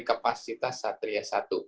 kepasitas satria satu